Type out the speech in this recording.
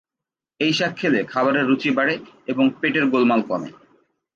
এই শাক খেলে খাবারের রুচি বাড়ে এবং পেটের গোলমাল কমে।